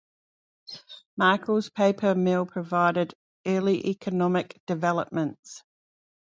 The introduction of the Pittsburgh, Connellsvile, and Markles Paper Mill provided early economic developments.